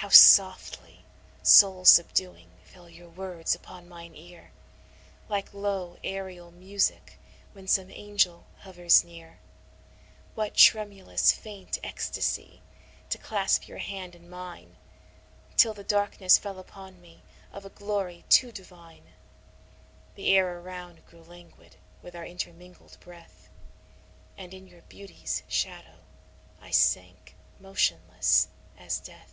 How softly, soul subduing, fell your words upon mine ear, Like low aerial music when some angel hovers near! What tremulous, faint ecstasy to clasp your hand in mine, Till the darkness fell upon me of a glory too divine! The air around grew languid with our intermingled breath, And in your beauty's shadow I sank motionless as death.